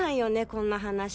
こんな話。